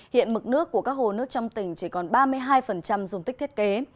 hiện mực nước của các hồ nước trong tỉnh chỉ còn ba mươi hai dùng tích thiết kế